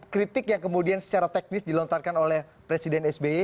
kritik yang kemudian secara teknis dilontarkan oleh presiden sby